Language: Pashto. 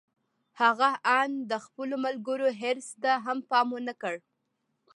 هغه آن د خپلو ملګرو حرص ته هم پام و نه کړ.